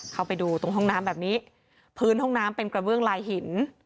เข้าไปดูตรงห้องน้ำแบบนี้พื้นห้องน้ำเป็นกระเบื้องลายหิน